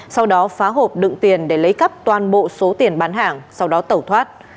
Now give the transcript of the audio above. sau đó phá hộp đựng tiền để lấy cắp toàn bộ số tiền bán hàng sau đó tẩu thoát